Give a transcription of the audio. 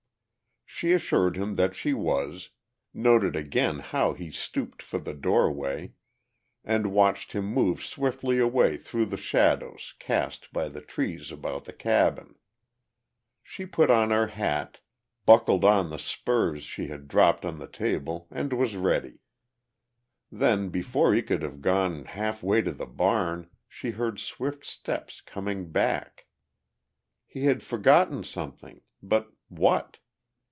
She assured him that she was, noted again how he stooped for the doorway, and watched him move swiftly away through the shadows cast by the trees about the cabin. She put on her hat, buckled on the spurs she had dropped on the table, and was ready. Then, before he could have gone half way to the barn, she heard swift steps coming back. He had forgotten something; but what?